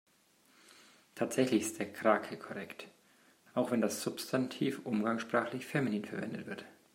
Tatsächlich ist der Krake korrekt, auch wenn das Substantiv umgangssprachlich feminin verwendet wird.